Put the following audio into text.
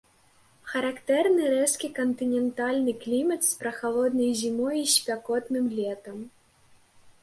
Характэрны рэзкі кантынентальны клімат з прахалоднай зімой і спякотным летам.